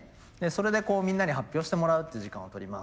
それでみんなに発表してもらうっていう時間をとります。